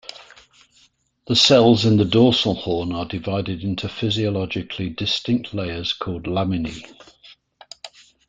The cells in the dorsal horn are divided into physiologically distinct layers called laminae.